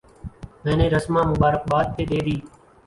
میں نے رسما مبارکباد پہ دے دی۔